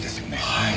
はい。